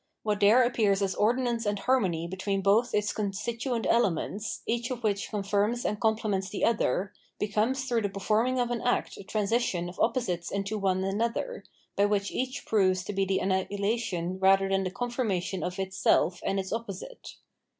What there appears as ordinance and harmony between both its constituent elements, each of which confirms and complements tl'ie other, becomes through the performing of an act a transition of opposites into one another, by which eaili proves to be the annihilation rather than the confirma tion of its self and its opposite.